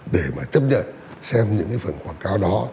để mà chấp nhận xem những cái phần quảng cáo đó